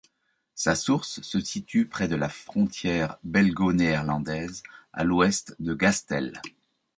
Sa source se situe près de la frontière belgo-néerlandaise, à l'ouest de Gastel.